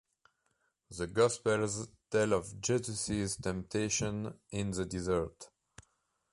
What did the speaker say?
The gospels tell of Jesus's temptation in the desert.